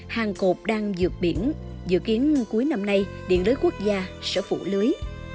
hàng cột đang dược biển dự kiến cuối năm nay điện lưới quốc gia sẽ phủ lưới